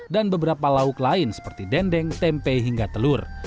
dan beberapa lauk lain seperti dendeng tempe hingga telur